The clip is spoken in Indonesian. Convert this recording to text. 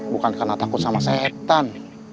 bukan karena takut sama setan